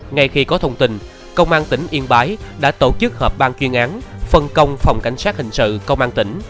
ngay khi có thông tin công an tỉnh yên bái đã tổ chức họp ban chuyên án phân công phòng cảnh sát hình sự công an tỉnh